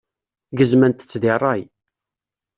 Gezment-tt deg ṛṛay.